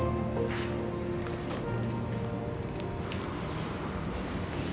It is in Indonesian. itu bukan diri aku